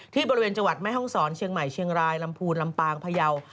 บริเวณจังหวัดแม่ห้องศรเชียงใหม่เชียงรายลำพูนลำปางพยาว